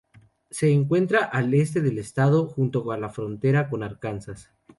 Se encuentra al este del estado, junto a la frontera con Arkansas.